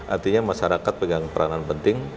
artinya masyarakat pegang peranan penting